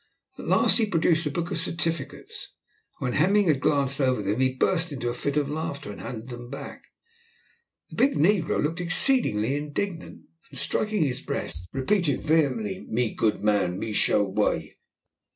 At last he produced a book of certificates, and when Hemming had glanced over them he burst into a fit of laughter, and handed them back. The big negro looked exceedingly indignant, and, striking his breast, repeated vehemently "Me good man me show way."